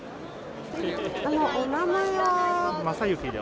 お名前は？